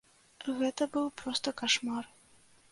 Гэта быў проста кашмар.